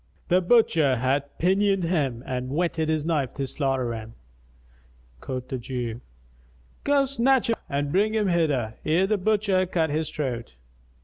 The butcher hath pinioned him and whetted his knife to slaughter him." Quoth the Jew, "Go, snatch him up and bring him hither, ere the butcher cut his throat."